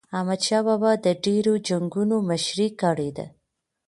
احمد شاه بابا د ډیرو جنګونو مشري کړې ده.